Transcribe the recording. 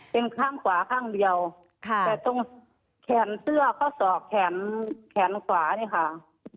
เป็นข้างขวาข้างเดียวแต่ตรงแขนเสื้อข้อศอกแขนแขนขวานี่ค่ะ